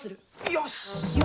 よし！